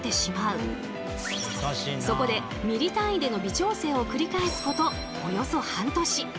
そこでミリ単位での微調整を繰り返すことおよそ半年。